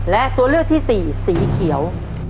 และตัวเลือกที่สี่สีเขียว